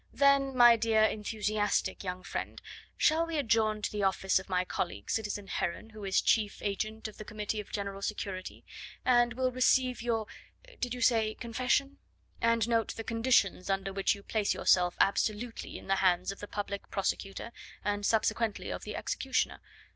"Then, my dear, enthusiastic young friend, shall we adjourn to the office of my colleague, citizen Heron, who is chief agent of the Committee of General Security, and will receive your did you say confession? and note the conditions under which you place yourself absolutely in the hands of the Public Prosecutor and subsequently of the executioner.